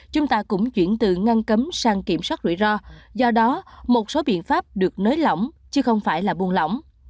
chúng ta cũng chuyển từ ngăn cấm sang kiểm soát rủi ro do đó một số biện pháp được nới lỏng chứ không phải là buôn lỏng